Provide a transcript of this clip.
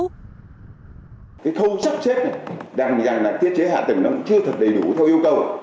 cái thâu sắp xếp này đằng rằng là tiết chế hạ tỉnh nó cũng chưa thật đầy đủ theo yêu cầu